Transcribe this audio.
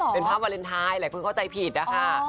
เป็นภาพวาเลนไทยหลายคนเข้าใจผิดนะคะ